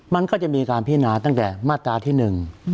มันก็จะมีการพินาตั้งแต่มาตราที่หนึ่ง